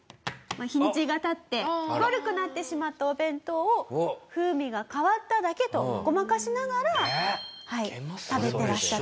日にちが経って悪くなってしまったお弁当を風味が変わっただけとごまかしながら食べてらっしゃった。